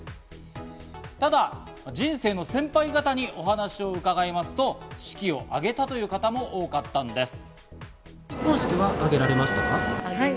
ただ、人生の先輩方にお話を伺いますと、式を挙げたという方も多かったんです。